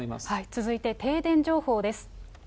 続いて停電情報です。